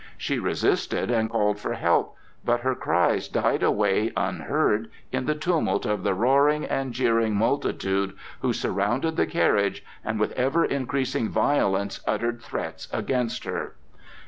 She resisted and called for help, but her cries died away unheard in the tumult of the roaring and jeering multitude who surrounded the carriage and with ever increasing violence uttered threats against her.